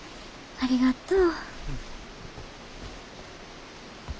ありがとう。